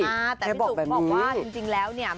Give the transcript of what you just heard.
แต่พี่สูว์บอกว่าจริงแล้วเนี่ย